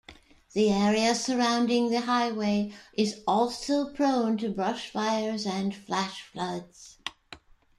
The area surrounding the highway is also prone to brush fires and flash floods.